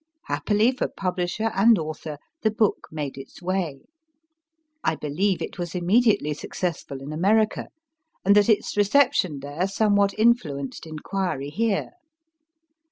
Happily for publisher and author, the book made its way. I believe it was immediately suc cessful in America, k and that its reception there somewhat in fluenced inquiry here.